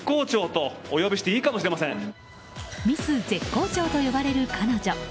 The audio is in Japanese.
ミス絶好調と呼ばれる彼女。